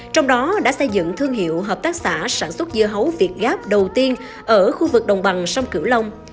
trong đó đã xây dựng thương hiệu hợp tác xã sản xuất dưa hấu việt gáp đầu tiên ở khu vực đồng bằng sông cửu long